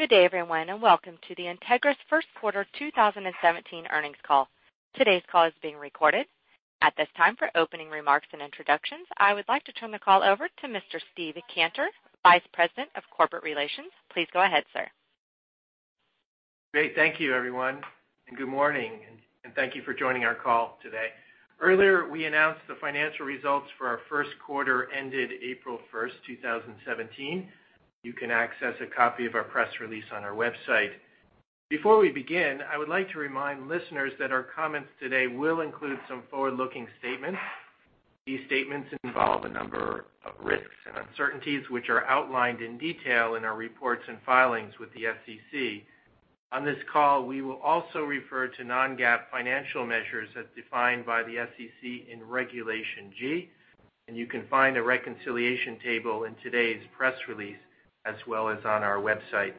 Good day everyone, welcome to the Entegris first quarter 2017 earnings call. Today's call is being recorded. At this time, for opening remarks and introductions, I would like to turn the call over to Mr. Steve Cantor, Vice President of Corporate Relations. Please go ahead, sir. Great. Thank you everyone, good morning, and thank you for joining our call today. Earlier, we announced the financial results for our first quarter ended April 1st, 2017. You can access a copy of our press release on our website. Before we begin, I would like to remind listeners that our comments today will include some forward-looking statements. These statements involve a number of risks and uncertainties, which are outlined in detail in our reports and filings with the SEC. On this call, we will also refer to non-GAAP financial measures as defined by the SEC in Regulation G, and you can find a reconciliation table in today's press release, as well as on our website.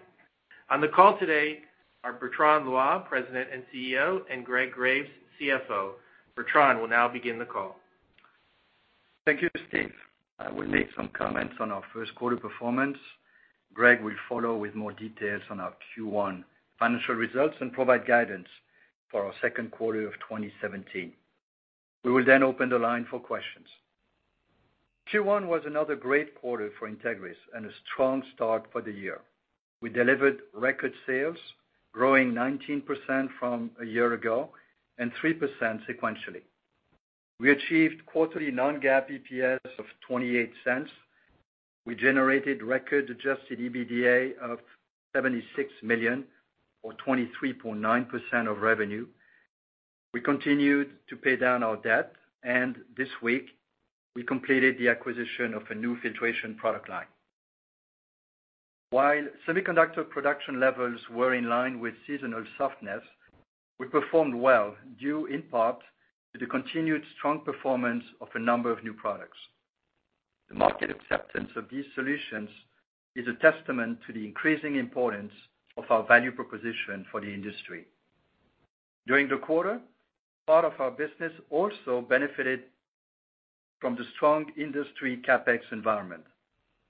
On the call today are Bertrand Loy, President and CEO, and Gregory Graves, CFO. Bertrand will now begin the call. Thank you, Steve. I will make some comments on our first quarter performance. Greg will follow with more details on our Q1 financial results and provide guidance for our second quarter of 2017. We will open the line for questions. Q1 was another great quarter for Entegris and a strong start for the year. We delivered record sales, growing 19% from a year ago and 3% sequentially. We achieved quarterly non-GAAP EPS of $0.28. We generated record adjusted EBITDA of $76 million or 23.9% of revenue. We continued to pay down our debt, and this week we completed the acquisition of a new filtration product line. While semiconductor production levels were in line with seasonal softness, we performed well, due in part to the continued strong performance of a number of new products. The market acceptance of these solutions is a testament to the increasing importance of our value proposition for the industry. During the quarter, part of our business also benefited from the strong industry CapEx environment,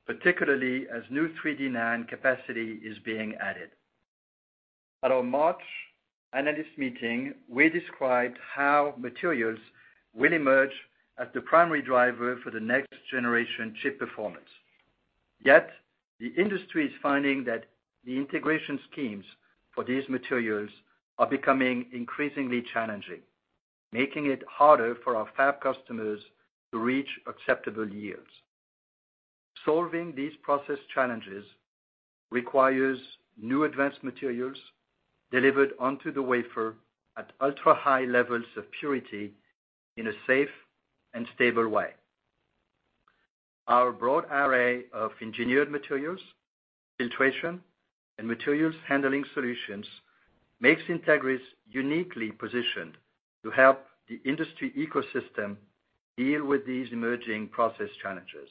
particularly as new 3D NAND capacity is being added. At our March analyst meeting, we described how materials will emerge as the primary driver for the next generation chip performance. The industry is finding that the integration schemes for these materials are becoming increasingly challenging, making it harder for our fab customers to reach acceptable yields. Solving these process challenges requires new advanced materials delivered onto the wafer at ultra-high levels of purity in a safe and stable way. Our broad array of engineered materials, filtration, and materials handling solutions makes Entegris uniquely positioned to help the industry ecosystem deal with these emerging process challenges.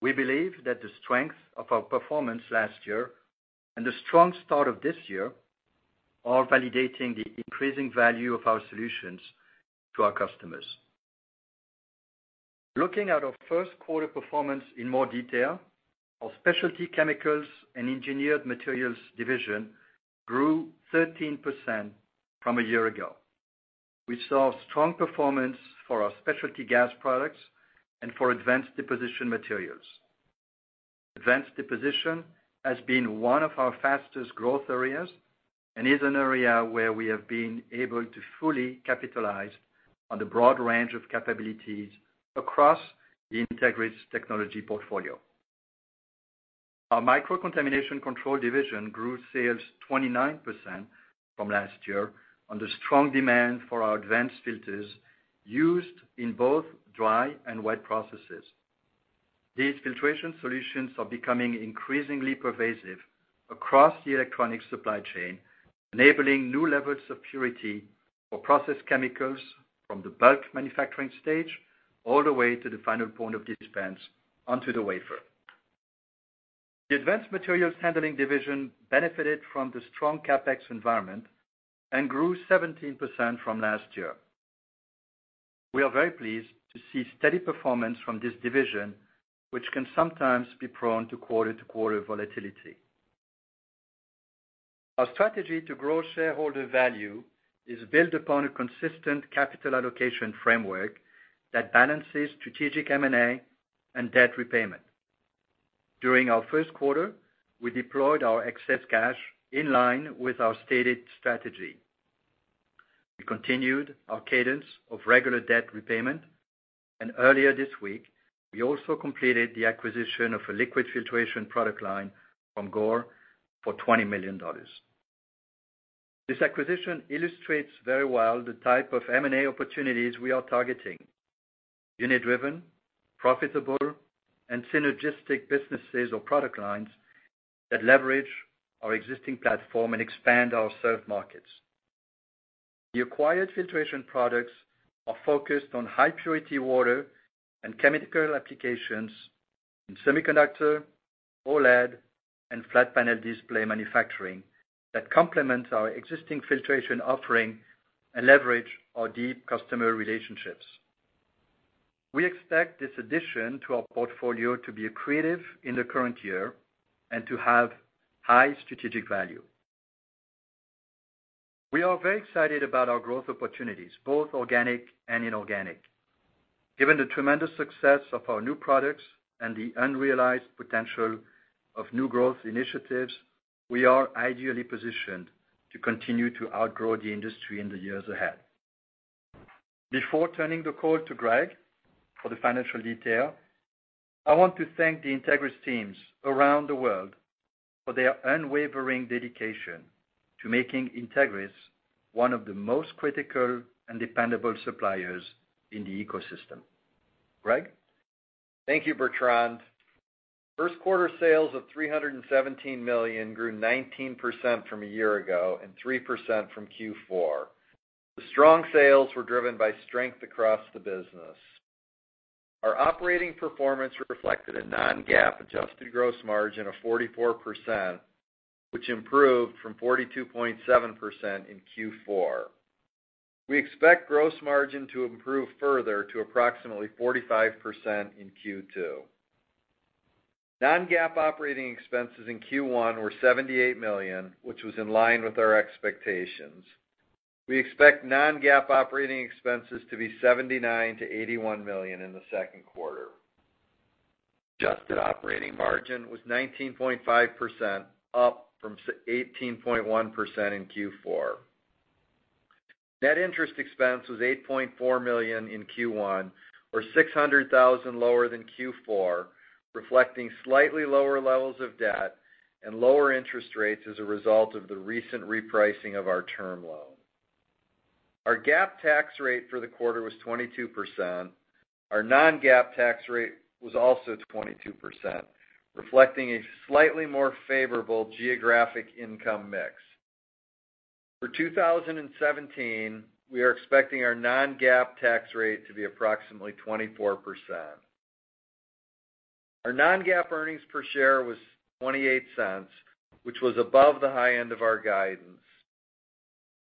We believe that the strength of our performance last year and the strong start of this year are validating the increasing value of our solutions to our customers. Looking at our first quarter performance in more detail, our Specialty Chemicals and Engineered Materials division grew 13% from a year ago. We saw strong performance for our specialty gas products and for Advanced Deposition Materials. Advanced Deposition has been one of our fastest growth areas and is an area where we have been able to fully capitalize on the broad range of capabilities across the Entegris technology portfolio. Our Microcontamination Control division grew sales 29% from last year on the strong demand for our advanced filters used in both dry and wet processes. These filtration solutions are becoming increasingly pervasive across the electronic supply chain, enabling new levels of purity for process chemicals from the bulk manufacturing stage all the way to the final point of dispense onto the wafer. The Advanced Materials Handling division benefited from the strong CapEx environment and grew 17% from last year. We are very pleased to see steady performance from this division, which can sometimes be prone to quarter-to-quarter volatility. Our strategy to grow shareholder value is built upon a consistent capital allocation framework that balances strategic M&A and debt repayment. During our first quarter, we deployed our excess cash in line with our stated strategy. We continued our cadence of regular debt repayment, and earlier this week, we also completed the acquisition of a liquid filtration product line from Gore for $20 million. This acquisition illustrates very well the type of M&A opportunities we are targeting. Unit-driven, profitable, and synergistic businesses or product lines that leverage our existing platform and expand our served markets. The acquired filtration products are focused on high purity water and chemical applications in semiconductor, OLED, and flat panel display manufacturing that complement our existing filtration offering and leverage our deep customer relationships. We expect this addition to our portfolio to be accretive in the current year and to have high strategic value. We are very excited about our growth opportunities, both organic and inorganic. Given the tremendous success of our new products and the unrealized potential of new growth initiatives, we are ideally positioned to continue to outgrow the industry in the years ahead. Before turning the call to Greg for the financial detail, I want to thank the Entegris teams around the world for their unwavering dedication to making Entegris one of the most critical and dependable suppliers in the ecosystem. Greg? Thank you, Bertrand. First quarter sales of $317 million grew 19% from a year ago and 3% from Q4. The strong sales were driven by strength across the business. Our operating performance reflected a non-GAAP adjusted gross margin of 44%, which improved from 42.7% in Q4. We expect gross margin to improve further to approximately 45% in Q2. Non-GAAP operating expenses in Q1 were $78 million, which was in line with our expectations. We expect non-GAAP operating expenses to be $79 million-$81 million in the second quarter. Adjusted operating margin was 19.5% up from 18.1% in Q4. Net interest expense was $8.4 million in Q1, or $600,000 lower than Q4, reflecting slightly lower levels of debt and lower interest rates as a result of the recent repricing of our term loan. Our GAAP tax rate for the quarter was 22%. Our non-GAAP tax rate was also 22%, reflecting a slightly more favorable geographic income mix. For 2017, we are expecting our non-GAAP tax rate to be approximately 24%. Our non-GAAP earnings per share was $0.28, which was above the high end of our guidance.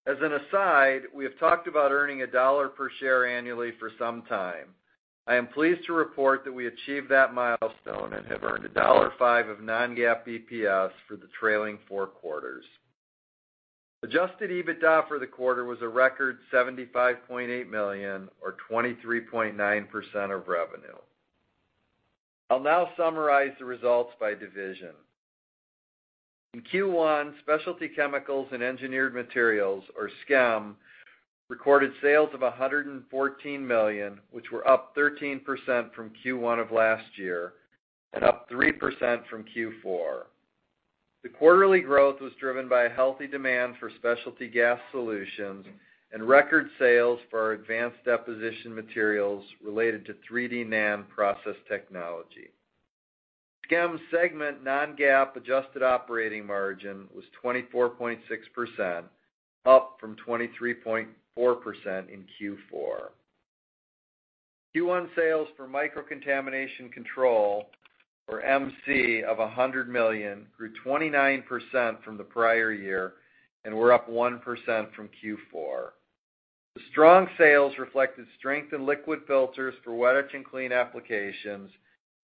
As an aside, we have talked about earning a dollar per share annually for some time. I am pleased to report that we achieved that milestone and have earned $1.05 of non-GAAP EPS for the trailing four quarters. Adjusted EBITDA for the quarter was a record $75.8 million or 23.9% of revenue. I will now summarize the results by division. In Q1, Specialty Chemicals and Engineered Materials, or SCEM, recorded sales of $114 million, which were up 13% from Q1 of last year and up 3% from Q4. The quarterly growth was driven by a healthy demand for specialty gas products and record sales for our Advanced Deposition Materials related to 3D NAND process technology. SCEM segment non-GAAP adjusted operating margin was 24.6%, up from 23.4% in Q4. Q1 sales for Microcontamination Control, or MC, of $100 million grew 29% from the prior year and were up 1% from Q4. The strong sales reflected strength in liquid filters for wet etch and clean applications,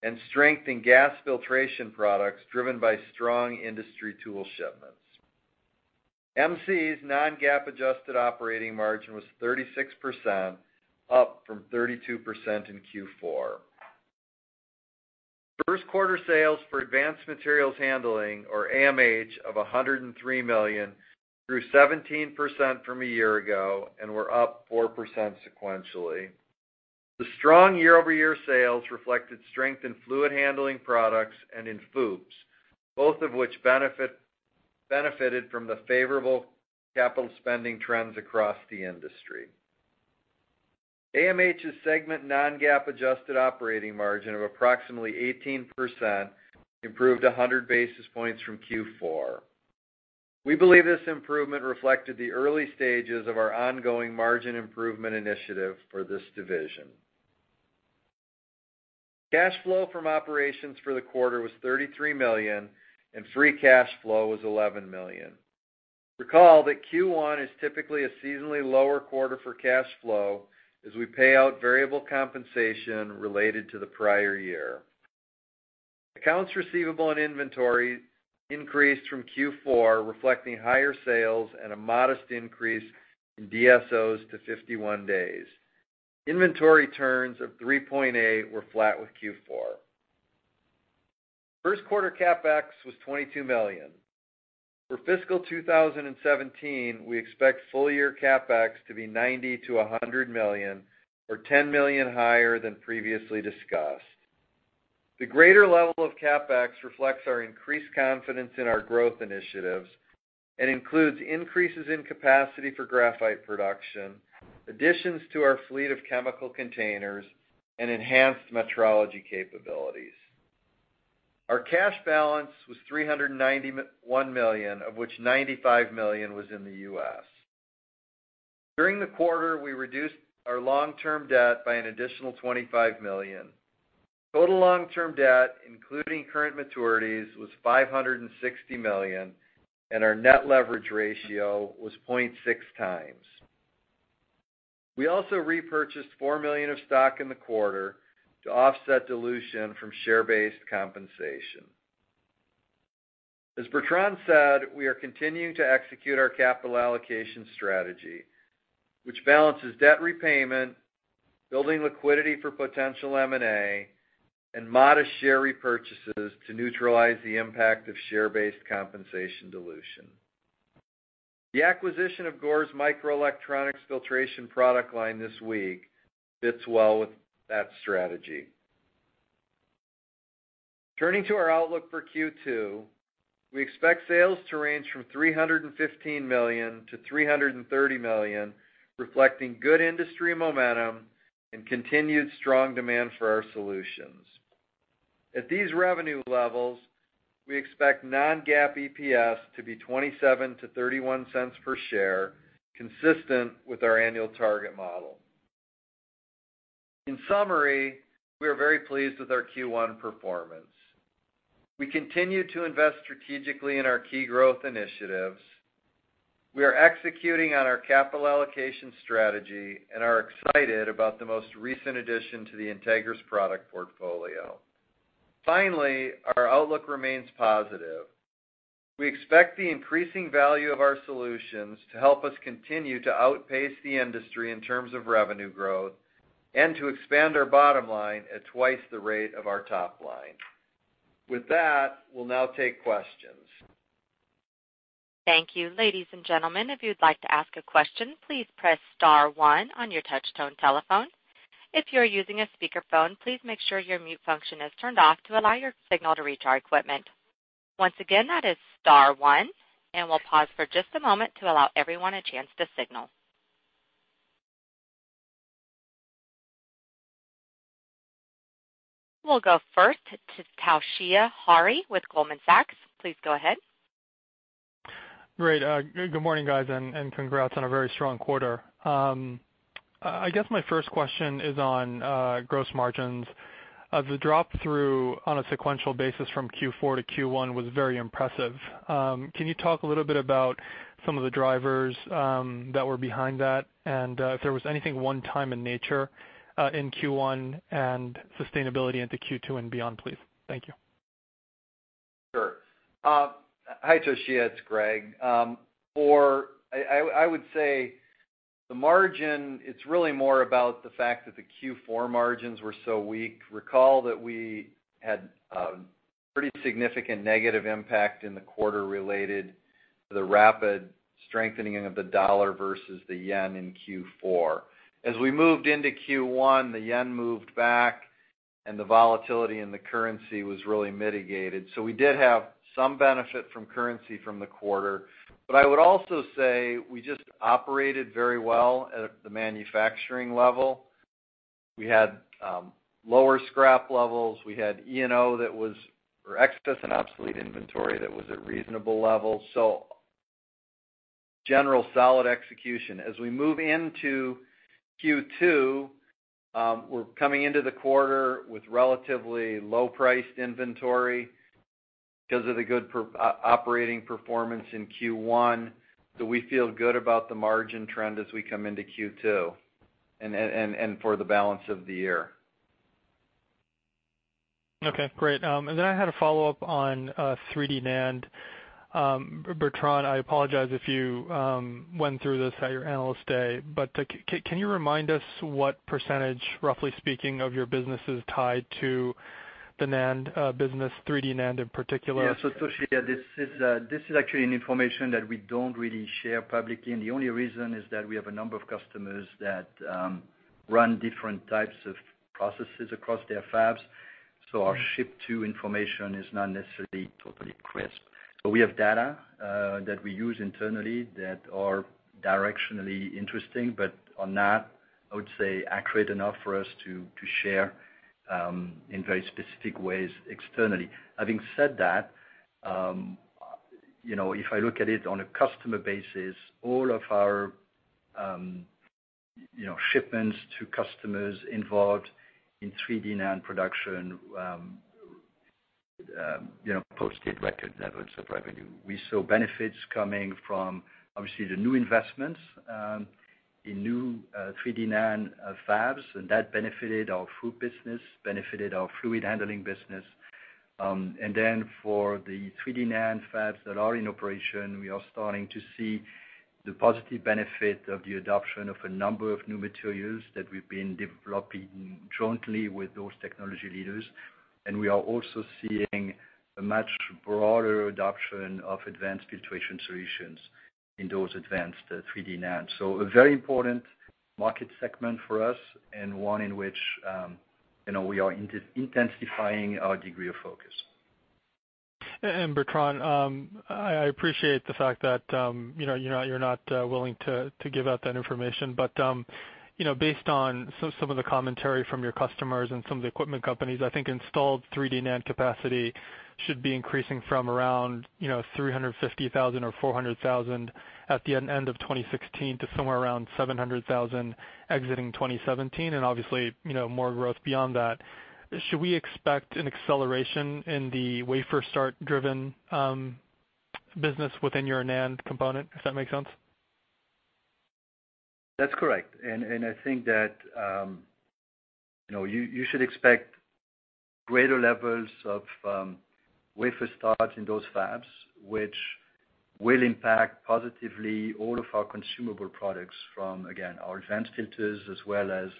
and strength in gas filtration products driven by strong industry tool shipments. MC's non-GAAP adjusted operating margin was 36%, up from 32% in Q4. First quarter sales for Advanced Materials Handling, or AMH, of $103 million grew 17% from a year ago and were up 4% sequentially. The strong year-over-year sales reflected strength in fluid handling solutions and in FOUPs, both of which benefited from the favorable capital spending trends across the industry. AMH's segment non-GAAP adjusted operating margin of approximately 18% improved 100 basis points from Q4. We believe this improvement reflected the early stages of our ongoing margin improvement initiative for this division. Cash flow from operations for the quarter was $33 million, and free cash flow was $11 million. Recall that Q1 is typically a seasonally lower quarter for cash flow as we pay out variable compensation related to the prior year. Accounts receivable and inventory increased from Q4, reflecting higher sales and a modest increase in DSOs to 51 days. Inventory turns of 3.8 were flat with Q4. First quarter CapEx was $22 million. For fiscal 2017, we expect full-year CapEx to be $90 million-$100 million, or $10 million higher than previously discussed. The greater level of CapEx reflects our increased confidence in our growth initiatives and includes increases in capacity for graphite production, additions to our fleet of chemical containers, and enhanced metrology capabilities. Our cash balance was $391 million, of which $95 million was in the U.S. During the quarter, we reduced our long-term debt by an additional $25 million. Total long-term debt, including current maturities, was $560 million, and our net leverage ratio was 0.6 times. We also repurchased $4 million of stock in the quarter to offset dilution from share-based compensation. As Bertrand said, we are continuing to execute our capital allocation strategy, which balances debt repayment, building liquidity for potential M&A, and modest share repurchases to neutralize the impact of share-based compensation dilution. The acquisition of Gore's microelectronics filtration product line this week fits well with that strategy. Turning to our outlook for Q2, we expect sales to range from $315 million-$330 million, reflecting good industry momentum and continued strong demand for our solutions. At these revenue levels, we expect non-GAAP EPS to be $0.27-$0.31 per share, consistent with our annual target model. In summary, we are very pleased with our Q1 performance. We continue to invest strategically in our key growth initiatives. We are executing on our capital allocation strategy and are excited about the most recent addition to the Entegris product portfolio. Our outlook remains positive. We expect the increasing value of our solutions to help us continue to outpace the industry in terms of revenue growth and to expand our bottom line at twice the rate of our top line. With that, we'll now take questions. Thank you. Ladies and gentlemen, if you'd like to ask a question, please press *1 on your touch-tone telephone. If you are using a speakerphone, please make sure your mute function is turned off to allow your signal to reach our equipment. Once again, that is *1, and we'll pause for just a moment to allow everyone a chance to signal. We'll go first to Toshiya Hari with Goldman Sachs. Please go ahead. Great. Good morning, guys. Congrats on a very strong quarter. I guess my first question is on gross margins. The drop through on a sequential basis from Q4 to Q1 was very impressive. Can you talk a little bit about some of the drivers that were behind that and if there was anything one time in nature in Q1 and sustainability into Q2 and beyond, please? Thank you. Sure. Hi, Toshiya, it's Gregory. I would say the margin, it's really more about the fact that the Q4 margins were so weak. Recall that we had a pretty significant negative impact in the quarter related to the rapid strengthening of the dollar versus the yen in Q4. As we moved into Q1, the yen moved back and the volatility in the currency was really mitigated. We did have some benefit from currency from the quarter. I would also say we just operated very well at the manufacturing level. We had lower scrap levels. We had E&O or excess and obsolete inventory that was at reasonable levels. General solid execution. As we move into Q2, we're coming into the quarter with relatively low-priced inventory because of the good operating performance in Q1. We feel good about the margin trend as we come into Q2 and for the balance of the year. Okay, great. Then I had a follow-up on 3D NAND. Bertrand, I apologize if you went through this at your Analyst Day, can you remind us what percentage, roughly speaking, of your business is tied to the NAND business, 3D NAND in particular? Yes. Toshiya, this is actually an information that we don't really share publicly, and the only reason is that we have a number of customers that run different types of processes across their fabs. Our ship to information is not necessarily totally crisp. We have data that we use internally that are directionally interesting, but are not, I would say, accurate enough for us to share in very specific ways externally. Having said that, if I look at it on a customer basis, all of our shipments to customers involved in 3D NAND production posted record levels of revenue. We saw benefits coming from, obviously, the new investments in new 3D NAND fabs, and that benefited our fluid business, benefited our fluid handling business. For the 3D NAND fabs that are in operation, we are starting to see the positive benefit of the adoption of a number of new materials that we've been developing jointly with those technology leaders. We are also seeing a much broader adoption of advanced filtration solutions in those advanced 3D NANDs. A very important market segment for us and one in which we are intensifying our degree of focus. Bertrand, I appreciate the fact that you're not willing to give out that information. Based on some of the commentary from your customers and some of the equipment companies, I think installed 3D NAND capacity should be increasing from around 350,000 or 400,000 at the end of 2016 to somewhere around 700,000 exiting 2017, and obviously, more growth beyond that. Should we expect an acceleration in the wafer start-driven business within your NAND component, if that makes sense? That's correct. I think that you should expect greater levels of wafer starts in those fabs, which will impact positively all of our consumable products from, again, our advanced filters as well as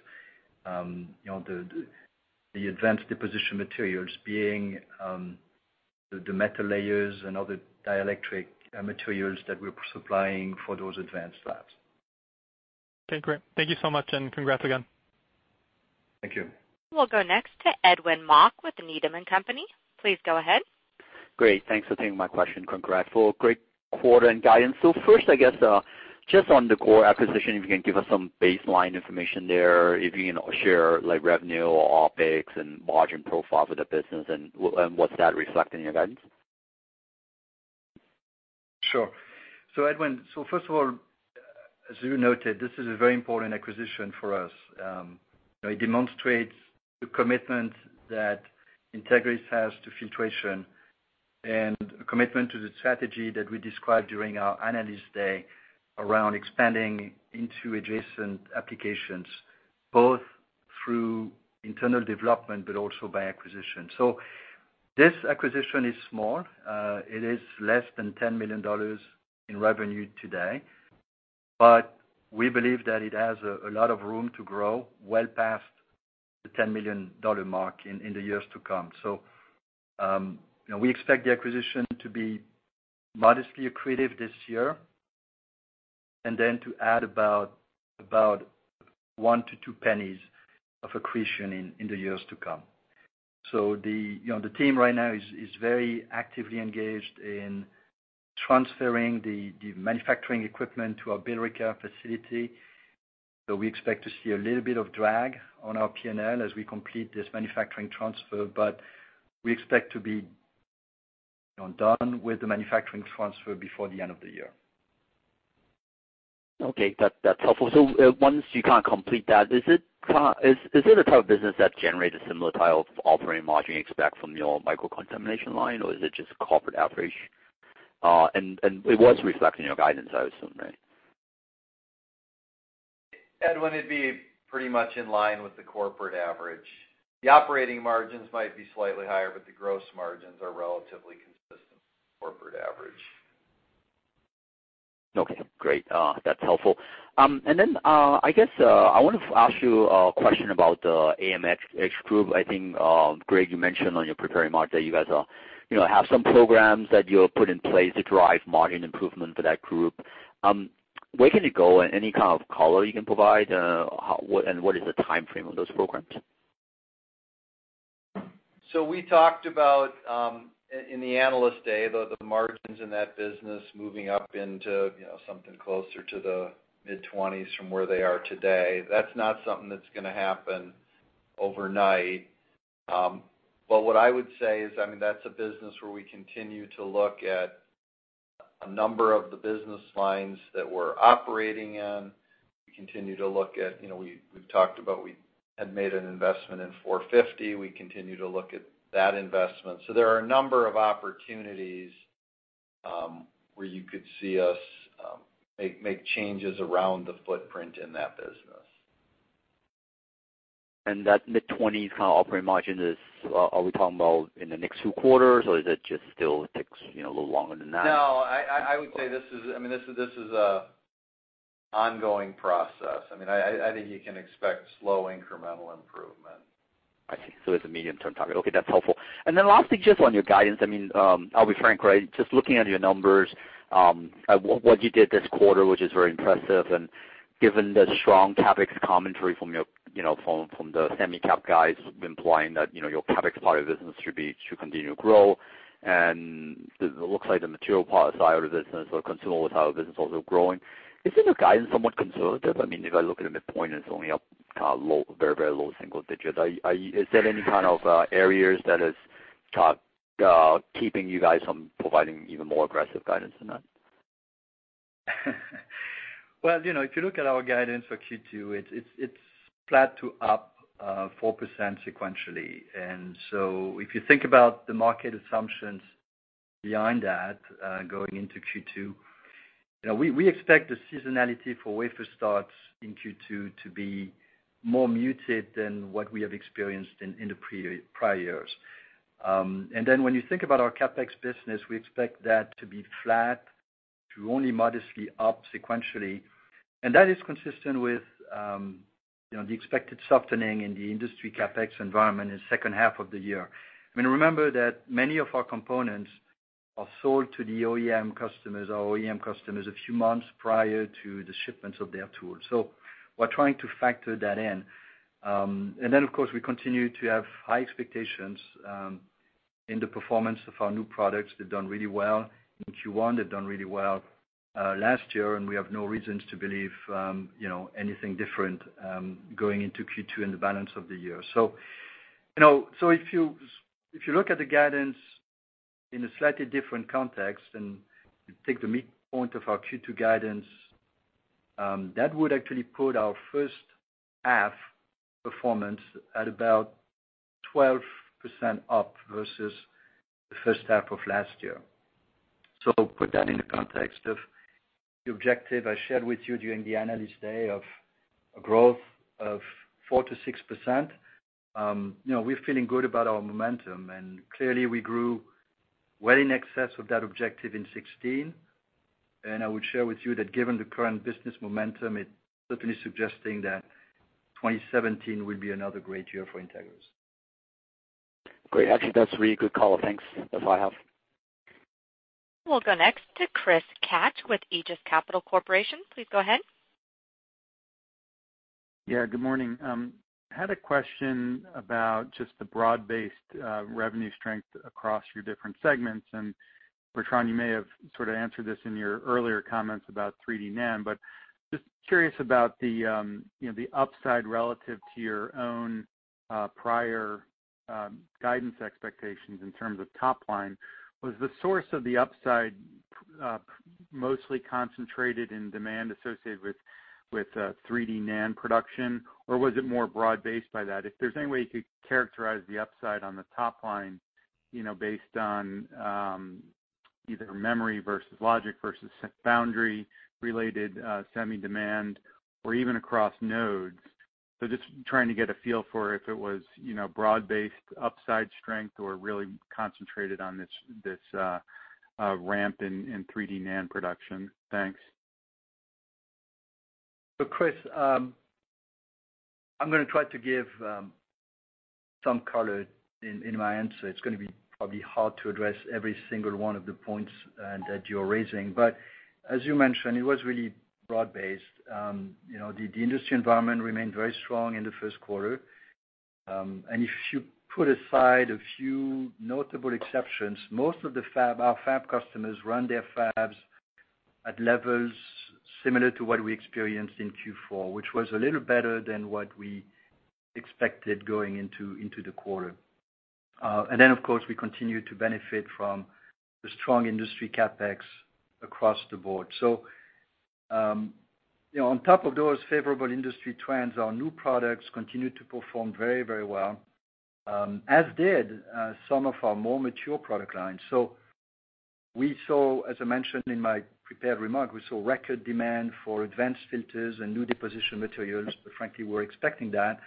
the Advanced Deposition Materials being, the metal layers and other dielectric materials that we're supplying for those advanced fabs. Okay, great. Thank you so much, and congrats again. Thank you. We'll go next to Edwin Mok with Needham & Company. Please go ahead. Great. Thanks for taking my question. Congrats for great quarter and guidance. First, I guess, just on the Gore acquisition, if you can give us some baseline information there, if you can share like revenue or OpEx and margin profile for the business, and what's that reflect in your guidance? Sure. Edwin, first of all, as you noted, this is a very important acquisition for us. It demonstrates the commitment that Entegris has to filtration and commitment to the strategy that we described during our Analyst Day around expanding into adjacent applications, both through internal development, but also by acquisition. This acquisition is small. It is less than $10 million in revenue today, but we believe that it has a lot of room to grow well past the $10 million mark in the years to come. We expect the acquisition to be modestly accretive this year, and then to add about $0.01-$0.02 of accretion in the years to come. The team right now is very actively engaged in transferring the manufacturing equipment to our Billerica facility. We expect to see a little bit of drag on our P&L as we complete this manufacturing transfer, but we expect to be done with the manufacturing transfer before the end of the year. Okay. That's helpful. Once you kind of complete that, is it a type of business that generates a similar type of operating margin you expect from your microcontamination line, or is it just corporate average? It was reflecting your guidance, I assume, right? Edwin, it'd be pretty much in line with the corporate average. The operating margins might be slightly higher, but the gross margins are relatively consistent with corporate average. Okay, great. That's helpful. Then, I guess, I want to ask you a question about the AMH group. I think, Greg, you mentioned on your prepared remarks that you guys have some programs that you have put in place to drive margin improvement for that group. Where can it go, and any kind of color you can provide, and what is the timeframe of those programs? We talked about, in the Analyst Day, the margins in that business moving up into something closer to the mid-20s from where they are today. That's not something that's going to happen overnight. What I would say is, that's a business where we continue to look at a number of the business lines that we're operating in. We continue to look at, we've talked about we had made an investment in 450mm. We continue to look at that investment. There are a number of opportunities, where you could see us make changes around the footprint in that business. That mid-20s kind of operating margin is, are we talking about in the next two quarters, or is it just still takes a little longer than that? No, I would say this is an ongoing process. I think you can expect slow incremental improvement. I see. It's a medium-term target. Okay, that's helpful. Then lastly, just on your guidance, I'll be frank. Just looking at your numbers, at what you did this quarter, which is very impressive, given the strong CapEx commentary from the semi-cap guys implying that your CapEx part of the business should continue to grow. It looks like the material side of the business or consumables side of the business is also growing. Isn't your guidance somewhat conservative? If I look at the midpoint, it's only up very low single digits. Is there any kind of areas that is keeping you guys from providing even more aggressive guidance than that? If you look at our guidance for Q2, it's flat to up 4% sequentially. If you think about the market assumptions behind that, going into Q2, we expect the seasonality for wafer starts in Q2 to be more muted than what we have experienced in the prior years. When you think about our CapEx business, we expect that to be flat to only modestly up sequentially. That is consistent with the expected softening in the industry CapEx environment in the second half of the year. Remember that many of our components are sold to the OEM customers a few months prior to the shipments of their tools. We're trying to factor that in. Of course, we continue to have high expectations in the performance of our new products. They've done really well in Q1. They've done really well last year, we have no reasons to believe anything different, going into Q2 and the balance of the year. If you look at the guidance in a slightly different context, you take the midpoint of our Q2 guidance. That would actually put our first half performance at about 12% up versus the first half of last year. Put that in the context of the objective I shared with you during the analyst day of a growth of 4% to 6%. We're feeling good about our momentum, clearly we grew well in excess of that objective in 2016. I would share with you that given the current business momentum, it's certainly suggesting that 2017 will be another great year for Entegris. Great. Actually, that's a really good call. Thanks. That's all I have. We'll go next to Chris Kapsch with Aegis Capital Corp.. Please go ahead. Good morning. I had a question about just the broad-based revenue strength across your different segments. Bertrand, you may have sort of answered this in your earlier comments about 3D NAND, but just curious about the upside relative to your own prior guidance expectations in terms of top line. Was the source of the upside mostly concentrated in demand associated with 3D NAND production, or was it more broad-based by that? If there is any way you could characterize the upside on the top line, based on either memory versus logic versus foundry-related semi demand or even across nodes. Just trying to get a feel for if it was broad-based upside strength or really concentrated on this ramp in 3D NAND production. Thanks. Chris, I am going to try to give some color in my answer. It is going to be probably hard to address every single one of the points that you are raising. But as you mentioned, it was really broad based. The industry environment remained very strong in the first quarter. If you put aside a few notable exceptions, most of our fab customers run their fabs at levels similar to what we experienced in Q4, which was a little better than what we expected going into the quarter. Then of course, we continued to benefit from the strong industry CapEx across the board. On top of those favorable industry trends, our new products continued to perform very well, as did some of our more mature product lines. As I mentioned in my prepared remarks, we saw record demand for advanced filters and Advanced Deposition Materials, but frankly, we were expecting that.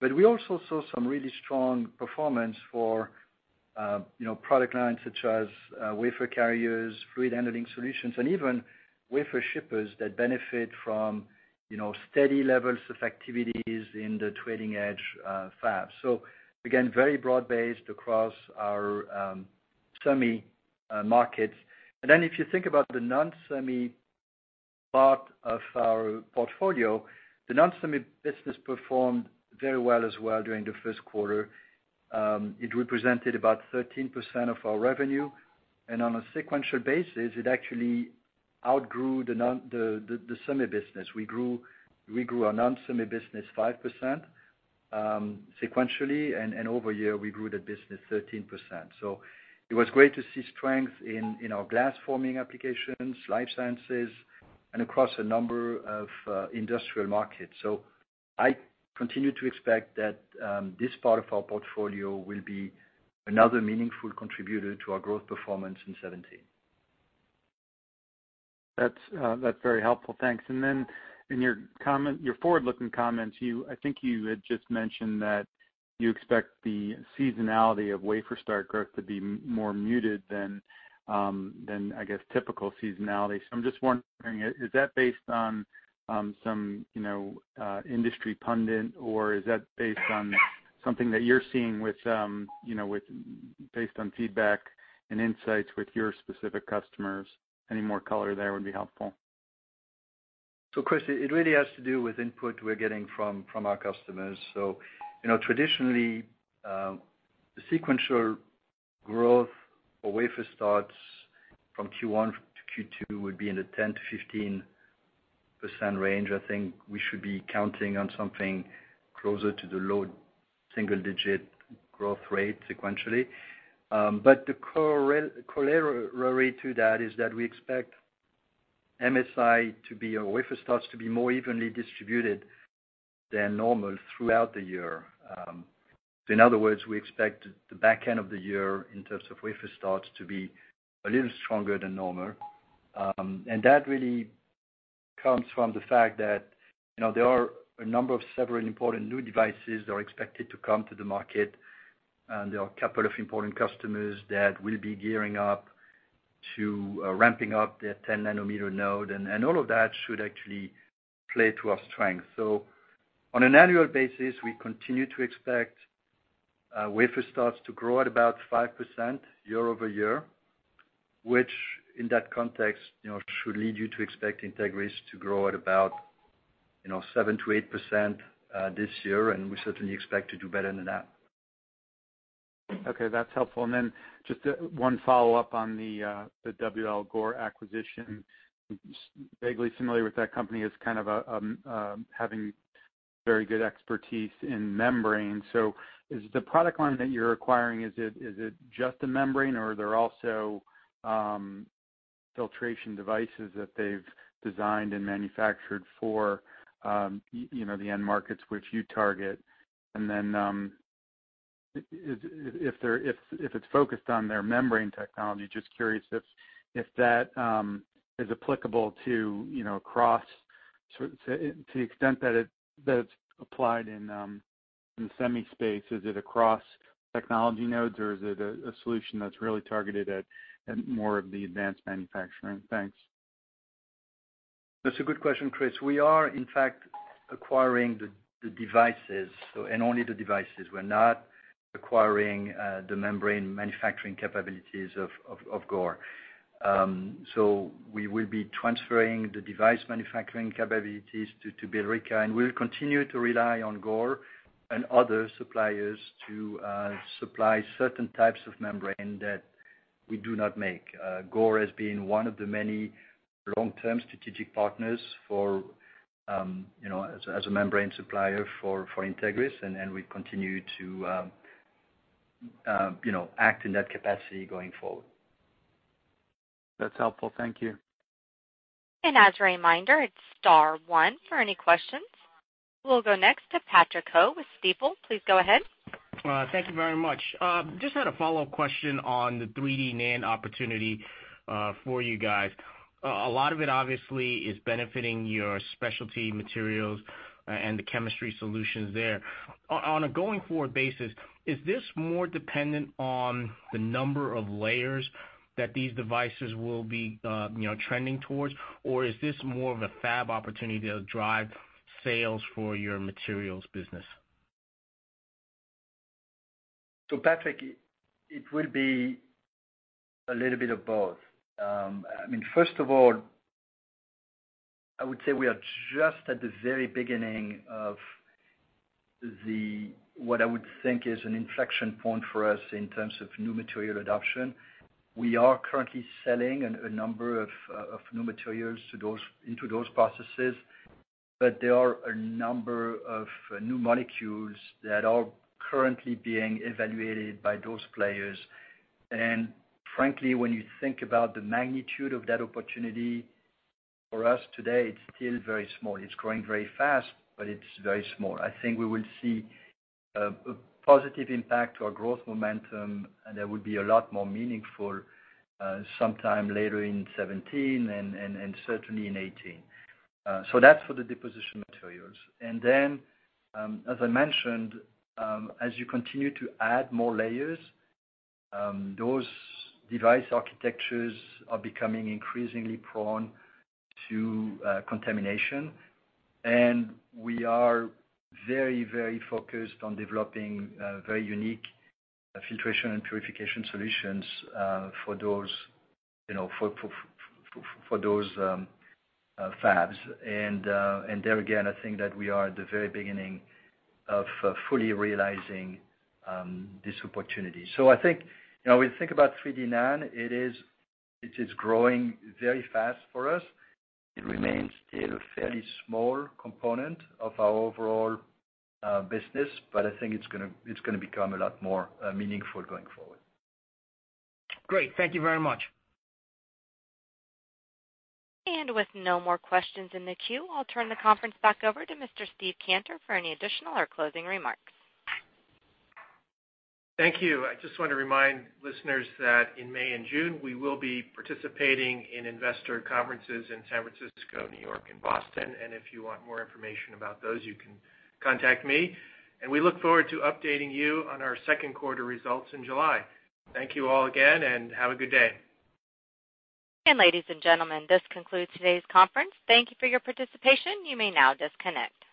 But we also saw some really strong performance for product lines such as wafer carriers, fluid handling solutions, and even wafer shippers that benefit from steady levels of activities in the trailing edge fabs. Again, very broad-based across our semi markets. Then if you think about the non-semi part of our portfolio, the non-semi business performed very well as well during the first quarter. It represented about 13% of our revenue, and on a sequential basis, it actually outgrew the semi business. We grew our non-semi business 5% sequentially, and over year, we grew that business 13%. It was great to see strength in our glass forming applications, life sciences, and across a number of industrial markets. I continue to expect that this part of our portfolio will be another meaningful contributor to our growth performance in 2017. That's very helpful. Thanks. In your forward-looking comments, I think you had just mentioned that you expect the seasonality of wafer start growth to be more muted than, I guess, typical seasonality. I'm just wondering, is that based on some industry pundit, or is that based on something that you're seeing based on feedback and insights with your specific customers? Any more color there would be helpful. Chris, it really has to do with input we're getting from our customers. Traditionally, the sequential growth of wafer starts from Q1 to Q2 would be in the 10%-15% range. I think we should be counting on something closer to the low single-digit growth rate sequentially. The corollary to that is that we expect MSI to be our wafer starts to be more evenly distributed than normal throughout the year. In other words, we expect the back end of the year in terms of wafer starts to be a little stronger than normal. That really comes from the fact that there are a number of several important new devices that are expected to come to the market, and there are a couple of important customers that will be gearing up to ramping up their 10-nanometer node, and all of that should actually play to our strength. On an annual basis, we continue to expect wafer starts to grow at about 5% year-over-year, which in that context should lead you to expect Entegris to grow at about 7%-8% this year, and we certainly expect to do better than that. Okay, that's helpful. Just one follow-up on the W. L. Gore acquisition. I'm vaguely familiar with that company as kind of having very good expertise in membrane. Is the product line that you're acquiring, is it just a membrane or are there also filtration devices that they've designed and manufactured for the end markets which you target? If it's focused on their membrane technology, just curious if that is applicable to, across to the extent that it's applied in the semi space, is it across technology nodes or is it a solution that's really targeted at more of the advanced manufacturing? Thanks. That's a good question, Chris. We are, in fact, acquiring the devices, and only the devices. We're not acquiring the membrane manufacturing capabilities of Gore. We will be transferring the device manufacturing capabilities to Billerica, and we'll continue to rely on Gore and other suppliers to supply certain types of membrane that we do not make. Gore has been one of the many long-term strategic partners as a membrane supplier for Entegris, and we continue to act in that capacity going forward. That's helpful. Thank you. As a reminder, it's star one for any questions. We'll go next to Patrick Ho with Stifel. Please go ahead. Thank you very much. Just had a follow-up question on the 3D NAND opportunity for you guys. A lot of it obviously is benefiting your specialty materials and the chemistry solutions there. On a going forward basis, is this more dependent on the number of layers that these devices will be trending towards, or is this more of a fab opportunity to drive sales for your materials business? Patrick, it will be a little bit of both. First of all, I would say we are just at the very beginning of what I would think is an inflection point for us in terms of new material adoption. We are currently selling a number of new materials into those processes, but there are a number of new molecules that are currently being evaluated by those players. Frankly, when you think about the magnitude of that opportunity for us today, it's still very small. It's growing very fast, but it's very small. I think we will see a positive impact to our growth momentum that will be a lot more meaningful sometime later in 2017 and certainly in 2018. That's for the deposition materials. Then, as I mentioned, as you continue to add more layers, those device architectures are becoming increasingly prone to contamination. We are very focused on developing very unique filtration and purification solutions for those fabs. There again, I think that we are at the very beginning of fully realizing this opportunity. When we think about 3D NAND, it is growing very fast for us. It remains still a fairly small component of our overall business, but I think it's going to become a lot more meaningful going forward. Great. Thank you very much. With no more questions in the queue, I'll turn the conference back over to Mr. Steve Cantor for any additional or closing remarks. Thank you. I just want to remind listeners that in May and June, we will be participating in investor conferences in San Francisco, New York, and Boston. If you want more information about those, you can contact me. We look forward to updating you on our second quarter results in July. Thank you all again, and have a good day. Ladies and gentlemen, this concludes today's conference. Thank you for your participation. You may now disconnect.